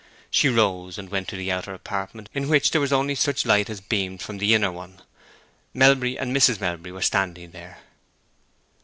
She rose, and went to the outer apartment, in which there was only such light as beamed from the inner one. Melbury and Mrs. Melbury were standing there.